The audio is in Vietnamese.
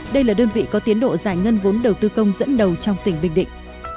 đây là đơn vị có tiến độ giải ngân vốn đầu tư công dẫn đầu trong tỉnh bình định